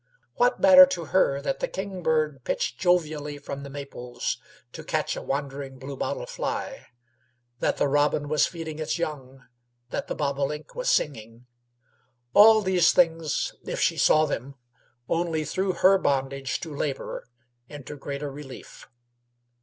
What matter to her that the kingbird pitched jovially from the maples to catch a wandering bluebottle fly, that the robin was feeding its young, that the bobolink was singing? All these things, if she saw them, only threw her bondage to labor into greater relief.